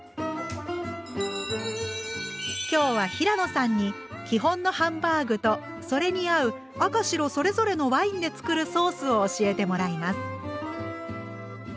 今日は平野さんに基本のハンバーグとそれに合う赤白それぞれのワインで作るソースを教えてもらいます。